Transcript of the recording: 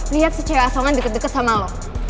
lihat si cewek asongan deket deket sama lo